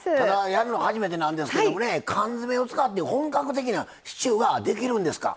やるの初めてなんですけど缶詰めを使って本格的なシチューができるんですか？